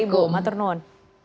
jai ibu mbak ternun